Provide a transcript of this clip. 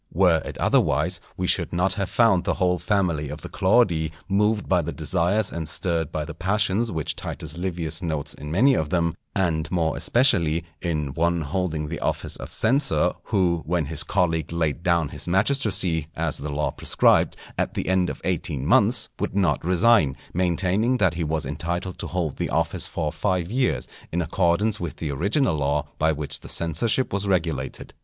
Were it otherwise we should not have found the whole family of the Claudii moved by the desires and stirred by the passions which Titus Livius notes in many of them, and more especially in one holding the office of censor, who, when his colleague laid down his magistracy, as the law prescribed, at the end of eighteen months, would not resign, maintaining that he was entitled to hold the office for five years in accordance with the original law by which the censorship was regulated.